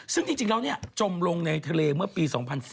ซึ่งจริงแล้วจมลงในทะเลเมื่อปี๒๔๙